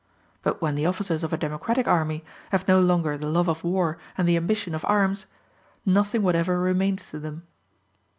But when the officers of a democratic army have no longer the love of war and the ambition of arms, nothing whatever remains to them.